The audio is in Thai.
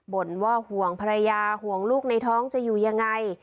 ่นว่าห่วงภรรยาห่วงลูกในท้องจะอยู่ยังไง